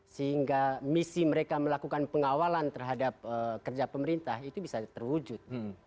sehingga misi mereka melakukan pengawalan terhadap kerja pemerintah itu bisa terwujud